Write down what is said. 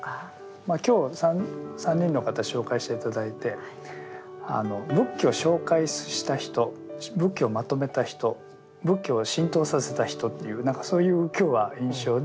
まあ今日３人の方紹介して頂いて仏教を紹介した人仏教をまとめた人仏教を浸透させた人という何かそういう今日は印象で。